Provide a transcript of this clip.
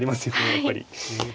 やっぱり。